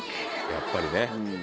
やっぱりね。